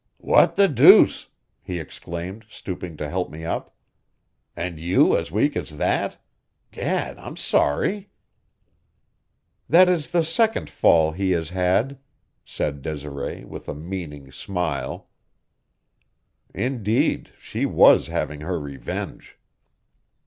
"What the deuce!" he exclaimed, stooping to help me up. "Are you as weak as that? Gad, I'm sorry!" "That is the second fall he has had," said Desiree, with a meaning smile. Indeed, she was having her revenge!